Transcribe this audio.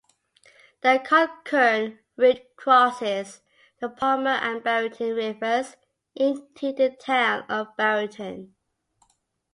The concurrent route crosses the Palmer and Barrington rivers into the town of Barrington.